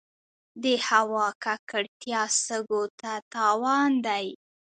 د هوا ککړتیا سږو ته تاوان دی.